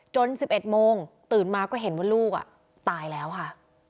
๑๑โมงตื่นมาก็เห็นว่าลูกตายแล้วค่ะ